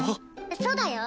そうだよ！